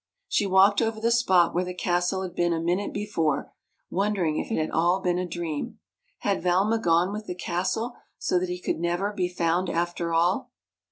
She walked over the spot where the castle had been a minute before, wondering if it had all been a dream. Had Valma gone with the castle, so that he could never be found, after all